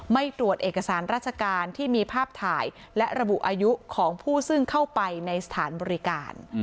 ไม่ตรวจเอกสารราชการที่มีภาพถ่ายและระบุอายุของผู้ซึ่งเข้าไปในสถานบริการ